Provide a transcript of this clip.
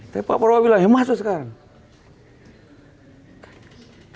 tapi pak prabowo bilang ya masuk sekarang